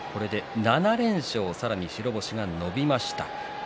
７連勝、さらに白星が伸びました。